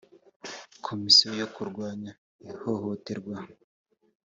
komisiyo yo kurwanya ihohoterwa.